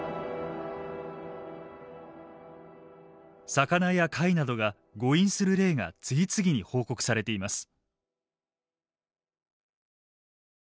魚や貝などが誤飲する例が次々に報告されています。